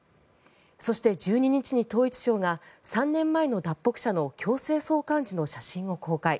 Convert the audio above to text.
そして１２日に統一省が３年前の脱北者の強制送還時の写真を公開。